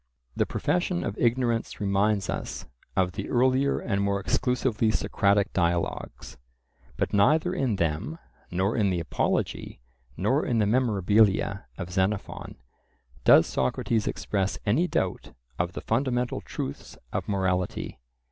The profession of ignorance reminds us of the earlier and more exclusively Socratic Dialogues. But neither in them, nor in the Apology, nor in the Memorabilia of Xenophon, does Socrates express any doubt of the fundamental truths of morality.